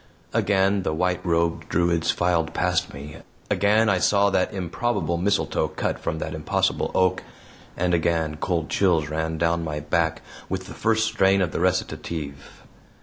Again the white robed Druids filed past me, again I saw that improbable mistletoe cut from that impossible oak, and again cold chills ran down my back with the first strain of the recitative.